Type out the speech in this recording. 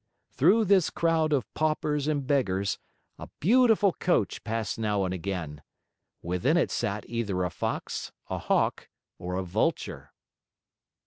Through this crowd of paupers and beggars, a beautiful coach passed now and again. Within it sat either a Fox, a Hawk, or a Vulture.